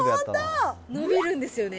伸びるんですよね。